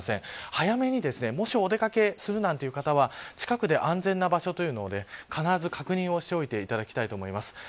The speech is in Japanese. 早めに、もしお出掛けするっていう方は近くで安全な場所というのを必ず確認しておいていただきたいと思います。